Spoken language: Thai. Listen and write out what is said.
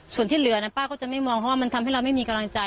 ส่วนที่เหลือนะป้าก็จะไม่มองเพราะว่ามันทำให้เราไม่มีกำลังใจ